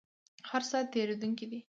هر څه تیریدونکي دي